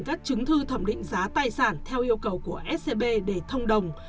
các chứng thư thẩm định giá tài sản theo yêu cầu của scb để thông đồng